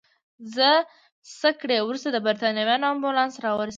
څه ګړی وروسته د بریتانویانو امبولانس راورسېد.